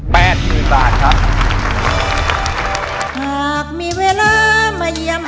แปดหมื่นบาทครับ